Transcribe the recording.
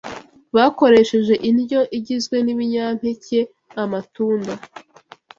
bakoresheje indyo igizwe n’ibinyampeke, amatunda,